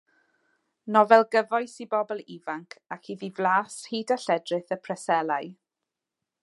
Nofel gyfoes i bobl ifanc ac iddi flas hud a lledrith y Preselau.